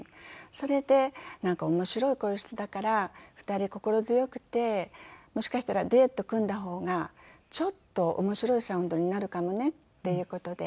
それで「なんか面白い声質だから２人心強くてもしかしたらデュエット組んだ方がちょっと面白いサウンドになるかもね」っていう事で。